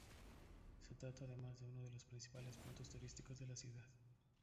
Se trata además de uno de los principales puntos turísticos de la ciudad.